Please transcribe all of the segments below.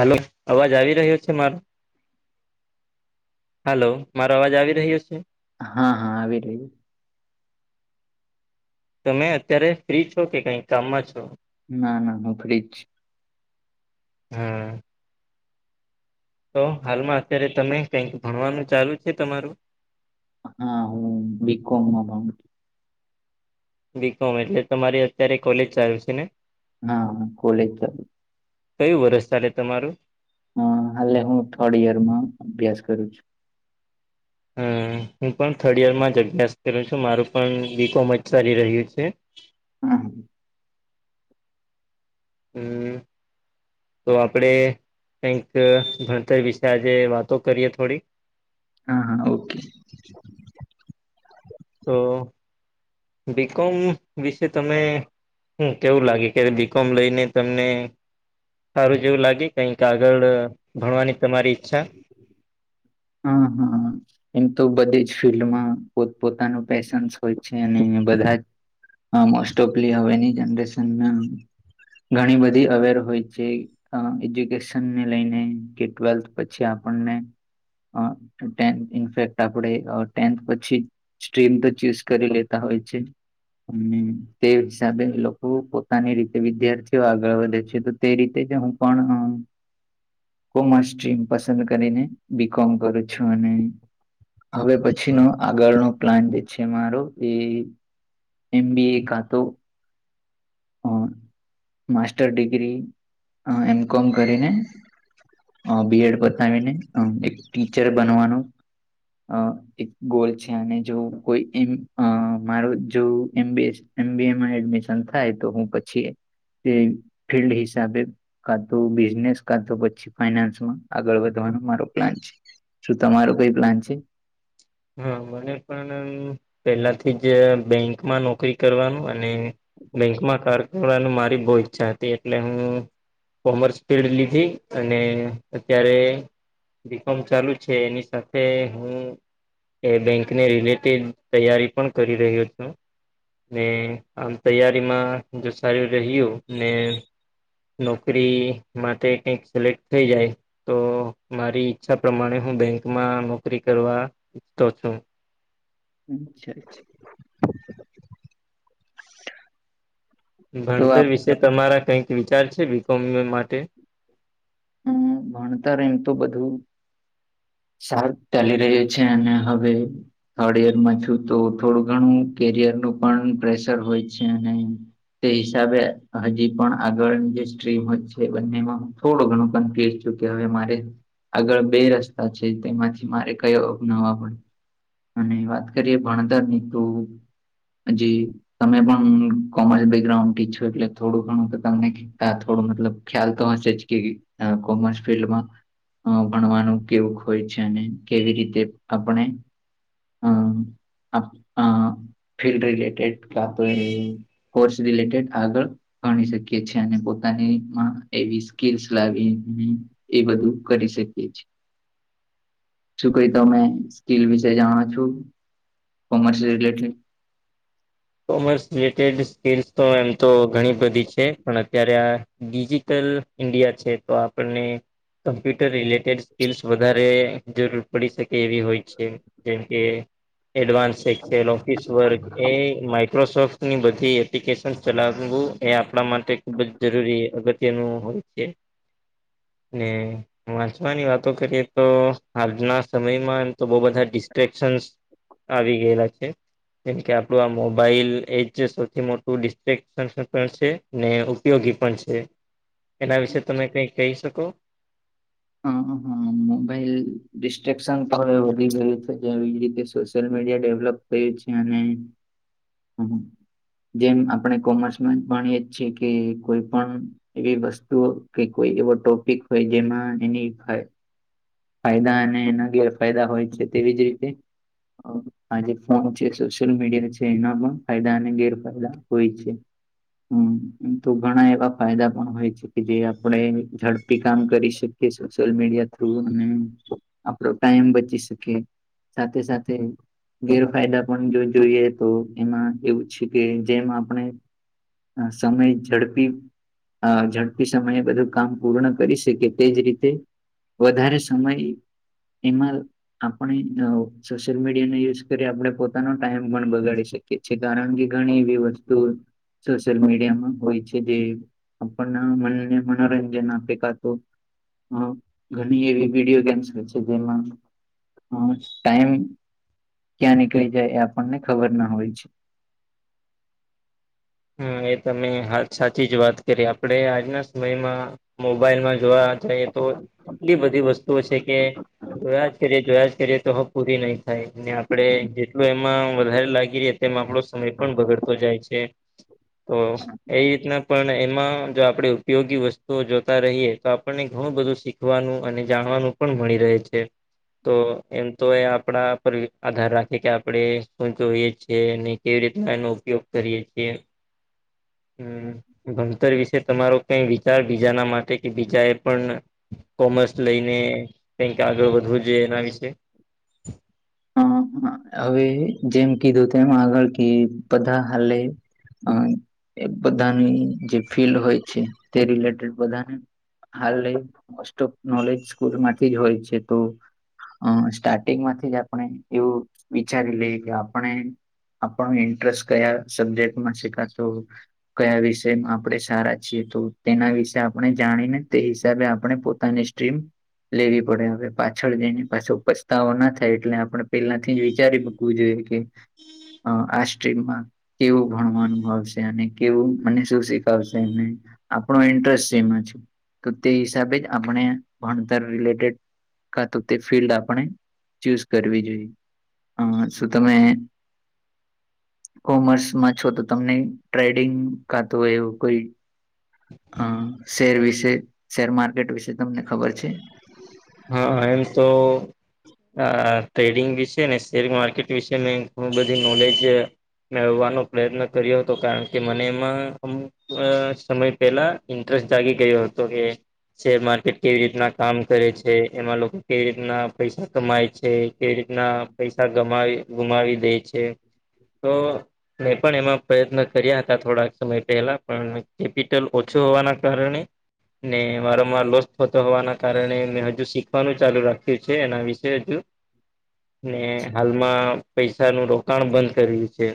હાલો. અવાજ આવી રહ્યો છે મારો? હાલો. મારો અવાજ આવી રહ્યો છ હા, હા આવી રહ્યું. તમે અત્યારે ફ્રી છો, કે કંઈ કામમાં છો? ના, ના હું ફ્રી જ છું. હમ્મ. તો હાલમાં અત્યારે તમે કંઈક ભણવાનું ચાલુ છે તમારું? હા, હું બી કોમ માં ભણું. બી કોમ એટલે તમારી અત્યારે કોલેજ ચાલુ છે ને? હા, હું કોલેજ [unintelligible] કયું વરસ ચાલે તમારું? અહ હાલે હું થર્ડ યર માં અભ્યાસ કરું છું. હમ્મ. હું પણ થર્ડ યરમાં જ અભ્યાસ કરું છું, મારું પણ બી કોમ જ ચાલી રહ્યું છે. [inaudible] હમ્મ. તો આપડે કંઈક ભણતર વિશે આજે વાતો કરીએ થોડી. હા, હા ઓકે. તો બી કોમ વિશે તમે હમ્મ. કેવું લાગે ક્યારે બી કોમ લઈને તમને સારું જેવું લાગે કંઈક આગળ ભણવાની તમારી ઈચ્છા? હા, હા. એમ તો બધે જ ફિલ્ડમાં પોતપોતાનું પેશન્સ હોય છે, અને બધા જ અહ મોસ્ટ ઓફલી હવેની જનરેશનના ઘણી બધી અવેર હોય છે એ અહ એજ્યુકેશન ને લઈને, કે ટ્વેલ્થ પછી આપણને અહ ટેન્થ ઇનફેક્ટ આપણે ટેન્થ પછી સ્ટ્રીમ તો ચૂઝ કરી લેતા હોય છે હમ્મ, તે હિસાબે લોકો પોતાની રીતે વિદ્યાર્થીઓ આગળ વધે છે, તો તે રીતે જ હું પણ અહ [inaudible] કોમર્સ સ્ટ્રીમ પસંદ કરીને બી કોમ કરું છું, અને હવે પછી નો આગળનો પ્લાન જે છે મારો એ એમ બી એ કા તો અહ માસ્ટર ડિગ્રી અહ એમ કોમ કરીને અહ બી એડ પતાવીને અહ એક ટીચર બનવાનો અહ એક ગોલ છે, અને જો કોઈ એમ અહ મારો જો એમબેજ એમ બી એડમિશન થાય તો હું પછી તે ફિલ્ડ હિસાબે કા તો બિઝનેસ કા તો પછી ફાઈનાન્સમાં આગળ વધવાનો મારો પ્લાન છે. શું તમારો કઈ પ્લાન છે? હા મને પણ પહેલાથી જ બેંકમાં નોકરી કરવાનું અને બેંકમાં કાર કરવાનું મારી બહુ ઈચ્છા હતી એટલે હું. કોમર્સ ફિલ્ડ લીધી અને અત્યારે બી કોમ ચાલુ છે એની સાથે હું એ બેંક ને રિલેટેડ તૈયારી પણ કરી રહ્યો છું. ને આમ તૈયારીમાં જો સારું રહ્યું ને નોકરી માટે કઈક સિલેક્ટ થઈ જાય. તો મારી ઈચ્છા પ્રમાણે હું બેંકમાં નોકરી કરવા ઈચ્છતો છું. હમ છે. ભણતર વિશે તમારા કઈક વિચાર છે બી કોમ માટે? હમ ભણતર એમ તો બધું સારૂ જ ચાલી રહી છે એને હ થર્ડ યરમાં છું તો થોડું ઘણું કેરિયરનું પણ પ્રેશર હોય છે અને. તે હિસાબે હજી પણ આગળની જે સ્ટ્રીમ હો છે બંનેમાં થોડું ઘણું કે હવે મારે આગળ બે રસ્તા છે તેમાંથી મારે કયો અપનાવવા પડે. અને વાત કરીએ ભણતરની તો હજી તમે પણ કોમર્સ બેકગ્રાઉન્ડ ટી છો એટલે થોડું ઘણું તો તમને ત થોડું મતલબ ખ્યાલ તો હશે જ કે કોમર્સ ફિલ્ડમાં અ ભણવાનું કેવું હોય છે અને કેવી રીતે આપણે હમ ફીલ્ડ રિલેટેડ ક્યા તો કોર્સ રિલેટેડ આગળ ગણી શકી છેએ અને પોતાનીમાં એવી સ્કીલ લાવી એ બધું કરી શકીએ છીએ. શું કઈ તો અમે સ્કીલ વિશે જાણો છું commerce related? Commerce related skills તો એમ તો ઘણી બધી છે પણ અત્યારે આ ડિજિટલ ઇન્ડિયા છે તો આપણને કમ્પ્યુટર રિલેટેડ સ્કી વધારે જરૂર પડી શકે એવી હોય છે જેમ કે એડવાન્સ સેક્સ ઓફિસ વર્ક એ માઇક્રોસોફ્ટની બધી એપ્લિકેશન ચલાવવું એ આપણા માટે ખુબ જ જરૂરી અગત્ય જેનું હોય છે, ને વાંચવાની વાતો કરીએ તો આજના સમયમાં એમ તો બહ બધા ડિસ્ટ્રેક્શન્સ આવી ગયેલા છે, જેમ કે આપડું આ મોબ મોબાઈલ એજ સૌથી મોટું ડિસ્ક્ટ્રેક્સન પણ છે ને ઉપયોગી પણ છે. એના વિશે તમે કઈ કહી શકો? હ હા મોબાઈલ ડિસ્ટ્રેક્શન તો હવે વધી ગયું છે એવી રીતે સોશિયલ મીડિયા ડેવલપ છે અને જેમ આપણે કોમર્સમાં ભએ જ છે કે કોઈ પણ એવી વસ્તુઓ કે કોઈ એવો ટોપિક હોય જેમાં એની ફાયદા અને એના ગેરફાયદા હોય છે તેવી જ રીતે. આજે ફોન છે સોશિયલ મીડિયા છે એના ફાયદા અને ગેરફાયદા હોય છે. હમ તો ઘણા એવા ફાયદા પણ હોય છે કે જે આપણે ઝડપી કામ કરી શકીએ. સોશિયલ મીડિયા થ્રુ અને આપડો ટાઈમ બચી શકે. સાથે સાથે ગેરફાયદા પણ જો જોઈએ તો. એમાં એવું છે કે જેમાં આપણે સમય ઝડપી અ ઝડપી સમયે બધું કામ પૂર્ણ કરી શકે તેજ રીતે વધારે સમય એમાં આપણે સોશિયલ મીડિયાને યુઝ કરી આપણે પોતાનો ટાઈમ પણ બગાડી શકીએ કે છે ત અંગે ઘણી એવી વસ્તુ સોશિયલ મીડિયામાં હોય છે જે આપણ મને મનોરંજન આપે કા તો હ ઘણી એવી વિડીયો ગેમ્સ હોય છે જેમાં ટાઈમ ક્યાં નીકળી જાય એ આપણને ખબર ના હોય છે. હમ એ તમે હાલ સાચી જ વાત કરી આપડે આજના સમયમાં મોબાઈલમાં જોવા તો એટલી બધી વસ્તુઓ છે, કે જોયા જ કરીએ જોયા જ કરીએ તો હ પૂરી નહી થાય આપડે જેટલું એમાં વધારે લાગી રહ્યા તેમ આપણો સમય પણ બગડતો જાય છે. હમ. એ રીતના પણ એમાં જો આપણે ઉપયોગી વસ્તુઓ જોતા રહીએ તો આપણને ઘણું બધું શીખ વાનું અને જાણવાનું પણ મળી રહે છે. તો એમ તો એ આપણા પર આધાર રાખે કે આપણે શું જોઈએ છીએ નહી કેવી રીતના એનો ઉપયોગ કરીએ છીએ હમ ભણતર વિશે તમારો કઈ વિચાર બીજાના માટે કે બીજા એ પણ કોમર્સ લઈને કઈક આગળ વધવું જ જોઈએ એના વિશે. હા હ હવે જેમ કીધું તેમ આગળ કે બધા હાલે. અ એ બધાની જે ફીલ્ડ હોય છે, તે રિલેટેડ બધાને હાલ મોસ્ટ ઓફ નોલેજ સ્કૂલ માંથી જ હોય છે, તો અ સ્ટાર્ટિંગ માંથી જ આપણે એવું વિચારી લઈએ કે આપણે આપણ ઇન્ટરેસ્ટ કયા સબ્જેક્ટમાં શીખાતું કયા વિષય માં આપણે સારા છીએ તો તેના વિશે આપણે જાણીને તે હિસાબે આપણે પોતાને ડ્રીમ લેવી પડે હવે પાછળ જેની પાછ ઉપસ્તા ના થાય એટલે આપણે પેલાથી જ વિચારી મકવું જોઈએ કે આ સ્ટ્રીમમાં કેવું ભણવા અનુભાવશે અને કેવું મને શું શીખાવશે એને આપણો ઇન્ટરેસ્ટ જેમાં છે તો તે હિસાબે જ આપણે ભણતર રિલેટેડ ક તો તે ફિલ્ડ આપણે ચૂઝ કરવી જોઈએ અ શું તમે કોમર્સમાં છો તો તમને ટ્રેડિંગ કા તો એવું કોઈ અ શેર વિશે શેર માર્કેટ વિશે તમને ખબર છે? હા એમ તો આ ટ્રેડિંગ વિશે ને શેર માર્કેટ વિશે મે ઘણું બધી નોલેજ મેળવવાનો પ્રયત્ન કર્યો હતો કારણ કે મને એમાં અ સમય પેલા ઇન્ટરેસ્ટ જાગી ગયો હતો કે શેર માર્કેટ કેવી રીતના કામ કરે છે. એમાં લોકો કેવી રીતના પૈસા કમાય છે, કેવી રીતના પૈસા ગમા ગુમાવી દે છે. તો. મેં પણ એમાં પ્રયત્ન કર્યા હતા થોડાક સમય પહેલા પણ કેપિટલ ઓછો હોવાના કારણે ને મારો લોસ થતો હોવાના કારણે મે હજુ શીખવાનું ચાલુ રાખ્યું છે, એના વિશે હજુ ને હાલમાં પૈસા નું રોકાણ બંધ કર્યું છે,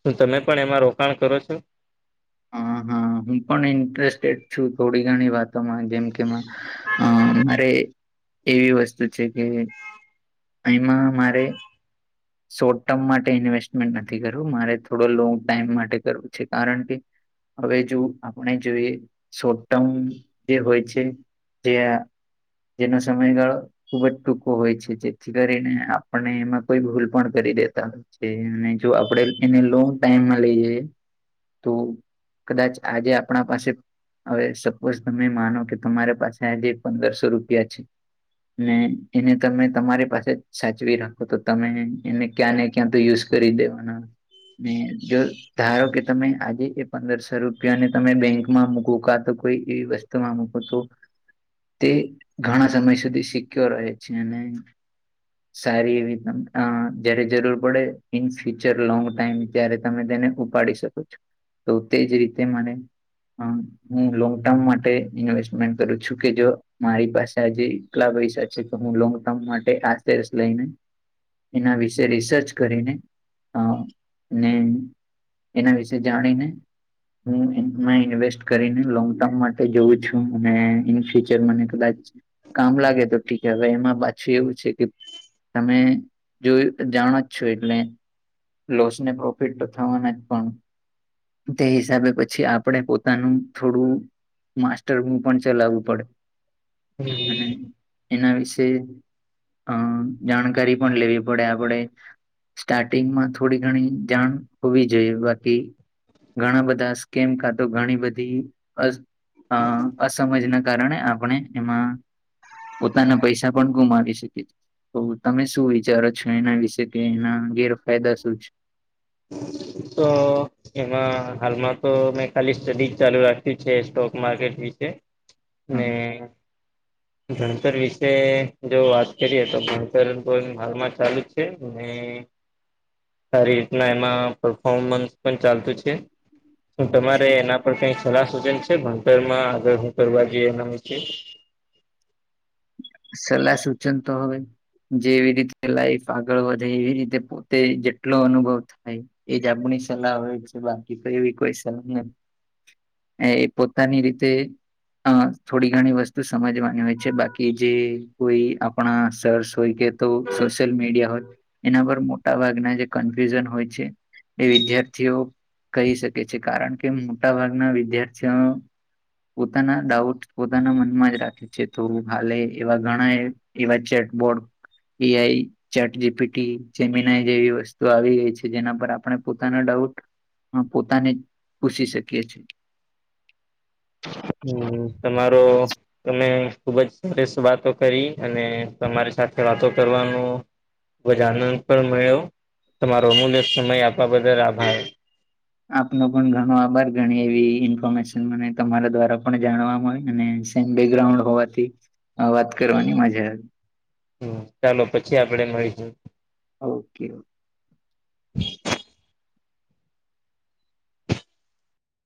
શું તમે પણ એમાં રોકાણ કરો છો? હા હા હું પણ ઇન્ટરેસ્ટેડ છું, થોડી ઘણી વાતોમાં જેમ કે અ મારે એવી વસ્તુ છે, કે એમાં મારે શોર્ટ ટર્મ માટે ઇન્વેસ્ટમેન્ટ નથી કરવું મારે થોડો લોંગ ટાઈમ માટે કરવું છે કારણ કે હવે જો આપણે જોઈએ શોર્ટ ટર્મ જે હોય છે. ત્યાં જેનો સમયગાળો ખુબ જ ટૂંકો હોય છે, જેથી કરીને આપણને એમાં કોઈ ભૂલ પણ કરી દેતા હોય છે, અને જો આપણે એને લોગ ટાઈમમાં લઈ તો કદાચ આજે આપણા પાસે હવે સપોઝ તમે માનો કે તમારી પાસે આજે પંદરસો રૂપિયા છે. ને એને તમે તમારી પાસે જ સાચવી રાખો તો તમે એને ક્યાં ને ક્યાં તો યુઝ કરી દેવાનો ને જો ધારો કે તમે આજે એ પંદરસો રૂપિયાને તમે બેંકમાં મુકો કાતો કોઈ એવી વસ્તુ તમામ તો તે ઘણા સમય સુધી સિક્યોર રહે છે અને સારી એવી તમ હ જયારે જરૂર પડે ઈન ફ્યુચર લોંગ ટાઈમ ત્યારે તમે તેને ઉપાડી શકો છો તો તેજ રીતે માને હમ્ હું લોંગ ટાઈમ માટે ઇન્વેસ્ટમેન્ટ કરું છું કે જો મારી પાસે આજે એટલા પૈસા છે કે હું લોંગ ટાઈમ માટે આ લઈને એના વિશે તો રિસર્ચ કરીને આ ને એના વિશે જાણીને હુંમાં ઇન્વેસ્ટ કરીને લોંગ ટાઈમ માટે જોઉં છું અને ઇન ફ્યુચર મને કદાચ કામ લાગે તો ઠીક હવે એમાં પાછું એવું છે કે તમે જો જાણો જ છો એટલે લોસ ને પ્રોફિટ તો થવાના જ પણ તે હિસાબે પછી આપણે પોતાનું થોડું માસ્ટર હું પણ ચલાવું પડે અને એના વિશે અ જાણકારી પણ લેવી પણ આપણે સ્ટાર્ટિંગમાં થોડી ઘણી જાણ હોવી જોઈએ બાકી ઘણા બધા સ્કીમ કા તો ઘણી બધી અ અસમજ ના કારણે આપણે એમાં પોતાના પૈસા પણ ગુમાવી શકે તો તમે શું વિચારો છો એના વિશે કે એના ગેરફાયદા શું છે. તો એમાં હાલમાં તો મેં ખાલી સ્ટડીજ ચાલુ રાખ્યું છે સ્ટોક માર્કેટ વિશે લે હમ ભણતર વિશે જો વાત કરીએ તો ભણતર હાલમાં ચાલુ જ છેને સારી રીતના એમાં પરફોમન્સ પણ ચાલતું છે શું તમારે એના કઈ સલાહ સૂચન છે ભણતર માં આગળ હું કરવા જોઈએ એના વિશે સલાહ સૂચન તો હવે જેવી રીતે લાઈફ આગળ વધે એવી રીતે પોતે જેટલો અનુભવ થાય એજ આપણી સલાહ હોય છે બાકી તો એવી કોઈ સલાહ નહી એ એ પોતાની રીતે અ થોડી ઘણી વસ્તુ સમજવાની હોય છે બાકી કે જે કોઈ આપણા સર્સ હોય કે તો સોશિયલ મીડિયા હોય એના પર મોટા ભાગના જે કન્ફ્યુઝન હોય છે એ વિદ્યાર્થીઓ કહી શકે છે કારણ કે મોટા ભાગના વિદ્યાર્થીઓ પોતાના ડાઉટ પોતાના મનમાં જ રાખે છે તો હાલે એવા ઘણા એ એવા ચેકબોર્ડ એ લઈ ચેટ જીપીટી જેમીનાઈ જેવી વસ્તુ આવી ગઈ છે જેના પર આપણે પોતાનો ડાઉટ પોતાને જ પૂછી શકીએ છી [inaudible] તમારો તમે ખુબ જ સરસ વાતો કરી અને તમારી સાથે વાતો કરવાનું ખ જ આનંદ પણ મળ્યો તમારો અમૂલ્ય સમય આપવા બદલ આભાર આપનો પણ ઘણો આભાર ઘણી એવી ઈન્ફોર્મેશન મને તમારા દ્વારા પણ જાણવા મળય અને બેકગ્રાઉન્ડ હોવાથી વાત કરવાની મજા હમ ચાલો પછી આપડે મળીશું ઓકે ઓ